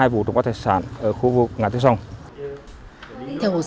và gây thương tích